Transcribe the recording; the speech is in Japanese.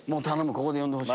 ここで呼んでほしい。